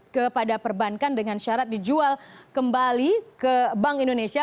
kepada perbankan dengan syarat dijual kembali ke bank indonesia